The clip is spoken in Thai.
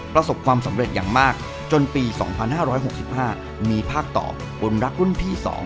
ประสบความสำเร็จอย่างมากจนปี๒๕๖๕มีภาคต่อบุญรักรุ่นพี่๒